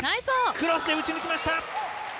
クロスで打ち抜きました。